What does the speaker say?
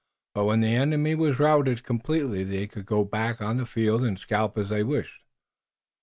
But when the enemy was routed completely they could go back on the field and scalp as they wished.